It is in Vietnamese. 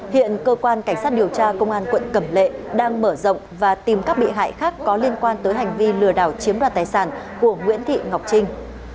hiện cơ quan cảnh sát điều tra công an quận cẩm lệ đang mở rộng và tìm các bị hại khác có liên quan tới hành vi lừa đảo chiếm đoạt tài sản của nguyễn thị ngọc trinh